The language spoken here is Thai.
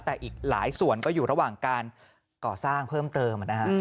แต่อีกหลายส่วนก็อยู่ระหว่างการก่อสร้างเพิ่มเติมนะฮะ